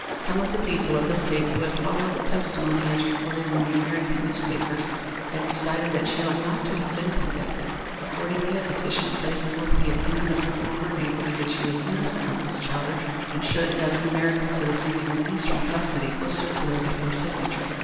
Some of the people of the state who had followed the testimony as reported in the American newspapers had decided that she ought not to have been convicted. Accordingly a petition setting forth the opinion of her former neighbors that she was innocent of the charge, and should as an American citizen be released from custody, was circulated for signature.